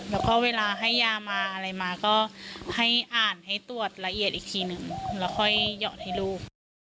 แล้วก็เวลาให้ยามาอะไรมาก็ให้อ่านให้ตรวจละเอียดอีกทีหนึ่งแล้วค่อยหยอดให้ลูก